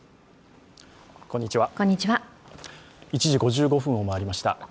１時５５分を回りました。